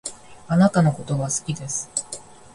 あなたのことが好きです